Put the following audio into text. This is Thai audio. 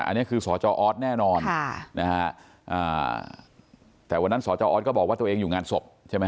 อันเนี่ยคือส่อจออธแน่นอนค่ะนะคะอ่าแต่วันนั้นส่อจออธก็บอกว่าตัวเองอยู่งานศพใช่มั้ย